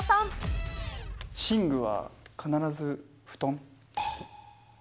寝具は必ず布団。